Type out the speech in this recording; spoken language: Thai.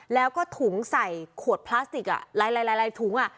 แล้วก็ถุงใส่ขวดพลาสติกหลายถุง